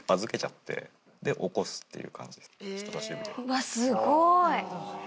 うわすごい！